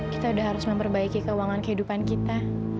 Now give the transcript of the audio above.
kita sudah harus memperbaiki keuangan kehidupan kita